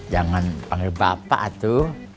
jangan panggil bapak atu